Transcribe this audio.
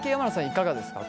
いかがですか？